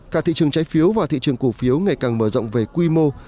cả thị trường trái phiếu và thị trường cổ phiếu ngày càng mở rộng về quy mô